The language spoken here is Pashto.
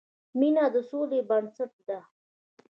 مینه د سولې بنسټ ده.